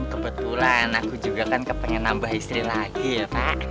kebetulan aku juga kan kepengen nambah istri lagi ya pak